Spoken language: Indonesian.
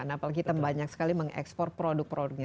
apalagi kita banyak sekali mengekspor produk produknya